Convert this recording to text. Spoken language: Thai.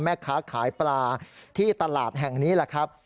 แม่ค้าขายปลาที่ตลาดแห่งนี้แหละครับ